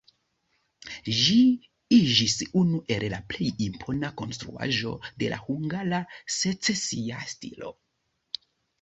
Ĝi iĝis unu el la plej impona konstruaĵo de la hungara secesia stilo.